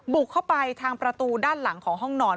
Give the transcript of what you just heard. บุกเข้าไปทางประตูด้านหลังของห้องนอน